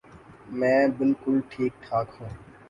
میں بالکل ٹھیک ٹھاک ہوں